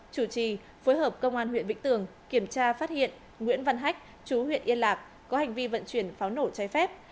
chủ trì phối hợp công an huyện vĩnh tường kiểm tra phát hiện nguyễn văn hách chú huyện yên lạc có hành vi vận chuyển pháo nổ trái phép